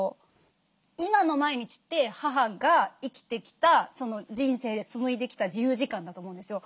今の毎日って母が生きてきたその人生で紡いできた自由時間だと思うんですよ。